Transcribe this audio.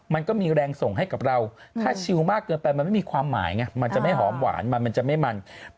มันก็มีแรงส่งให้กับเรา